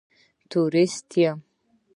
تورېست یم.